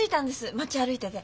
町歩いてて。